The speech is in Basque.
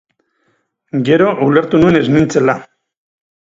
Gero ulertu nuen ez nintzela.